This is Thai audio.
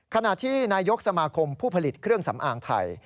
ขณะที่นายกสมาคมผู้ผลิตเครื่องสำอางไทย